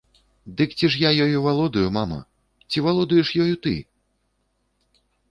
Дык ці ж я ёю валодаю, мама, ці валодаеш ёю ты?